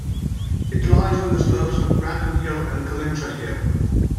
It lies on the slopes of Brandon Hill and Cullintra Hill.